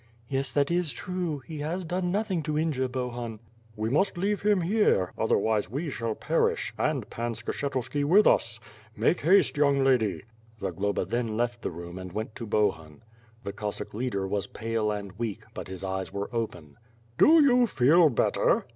"Yes, that is true; he has done nothing to injure Bohun." "We must leave him here; otherwise we shall perish — and Pan Skshetuski with us. Make haste, young lady." Zagloba then left the room and went to Bohun. The Cossack leader was pale and weak, but his eyes were open: "Do you feel better?"